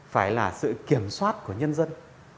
phải là sự kiểm soát của nhân dân